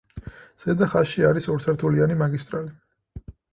ზედა ხაზში არის ორსართულიანი მაგისტრალი.